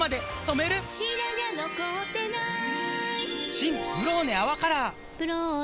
新「ブローネ泡カラー」「ブローネ」